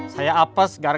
saya apes gara gara itu